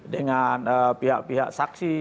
dengan pihak pihak saksi